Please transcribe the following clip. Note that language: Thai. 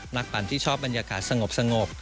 ปั่นที่ชอบบรรยากาศสงบ